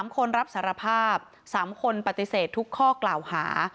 ๓คนรับสารภาพ๓คนปฏิเสธทุกข้อกล่าวหา